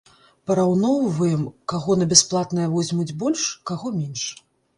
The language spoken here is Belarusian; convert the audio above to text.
Параўноўваем, каго на бясплатнае возьмуць больш, каго менш.